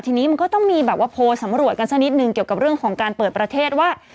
ทีนี้มันก็ต้องมีแบบว่าโพลสำรวจกันสักนิดนึงเกี่ยวกับเรื่องของการเปิดประเทศว่า